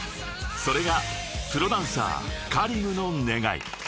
［それがプロダンサーＫａｒｉｍの願い］